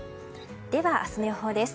では明日の予報です。